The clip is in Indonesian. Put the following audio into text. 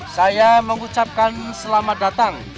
saya mengucapkan selamat datang